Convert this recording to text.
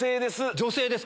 女性です。